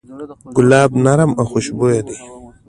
ګلاب نرم او خوشبویه دی.